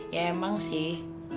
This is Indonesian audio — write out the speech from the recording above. ya emang sih